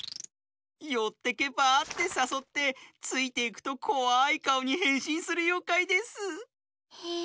「よってけばあ？」ってさそってついていくとこわいかおにへんしんするようかいです。